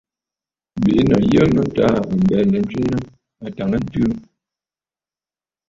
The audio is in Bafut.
Bìꞌinə̀ yə mə taa aɨ lɛ ntswe nɨ àtàŋəntɨɨ aà.